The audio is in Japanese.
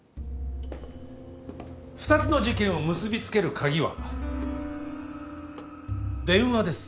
２つの事件を結び付ける鍵は電話です。